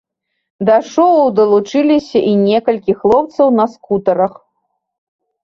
Да шоу далучыліся і некалькі хлопцаў на скутарах.